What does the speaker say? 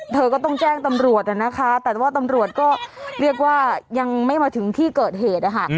เธอก็ต้องแจ้งตำรวจนะคะแต่ว่าตำรวจก็เรียกว่ายังไม่มาถึงที่เกิดเหตุนะคะ